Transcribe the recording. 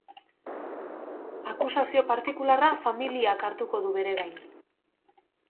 Akusazio partikularra familiak hartuko du bere gain.